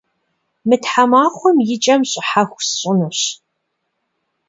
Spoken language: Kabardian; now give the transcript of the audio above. Мы тхьэмахуэм и кӏэм щӏыхьэху сщӏынущ.